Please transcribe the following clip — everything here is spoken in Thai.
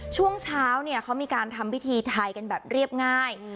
ช่วงเช้าเนี่ยเขามีการทำพิธีไทยกันแบบเรียบง่าย